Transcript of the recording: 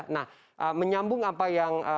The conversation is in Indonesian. nah menyambung apa yang